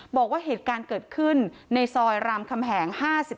บอกว่าเหตุการณ์เกิดขึ้นในซอยรามคำแหง๕๓